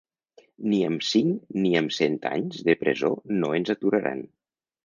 Ni amb cinc ni amb cent anys de presó, no ens aturaran.